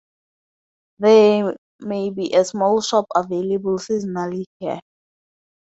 There may be a small shop available seasonally here.